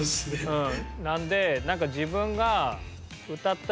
うん。